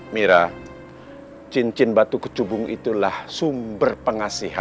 mira cincin batu kecubung itulah sumber pengasihan